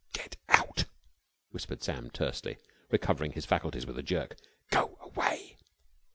"Get out!" whispered Sam tensely, recovering his faculties with a jerk. "Go away!"